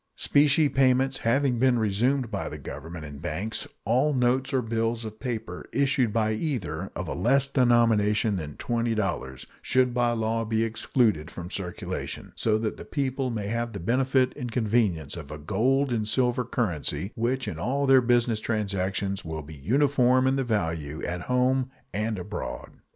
Specie payments having been resumed by the Government and banks, all notes or bills of paper issued by either of a less denomination than $20 should by law be excluded from circulation, so that the people may have the benefit and convenience of a gold and silver currency which in all their business transactions will be uniform in value at home and abroad.